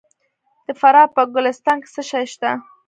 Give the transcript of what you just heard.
د فراه په ګلستان کې څه شی شته؟